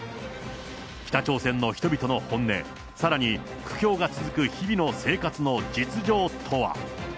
北朝鮮の人々の本音、さらに苦境が続く日々の生活の実情とは。